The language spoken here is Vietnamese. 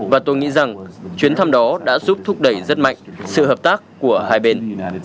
và tôi nghĩ rằng chuyến thăm đó đã giúp thúc đẩy rất mạnh sự hợp tác của hai bên